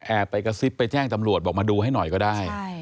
ไปกระซิบไปแจ้งตำรวจบอกมาดูให้หน่อยก็ได้